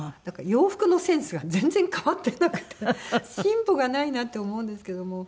洋服のセンスが全然変わってなくて進歩がないなって思うんですけども。